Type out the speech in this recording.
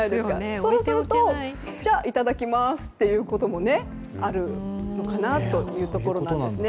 そうするとじゃあいただきますってこともあるのかというところですよね。